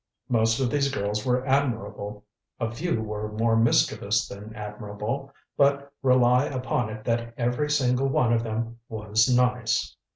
Most of these girls were admirable, a few were more mischievous than admirable, but rely upon it that every single one of them was nice.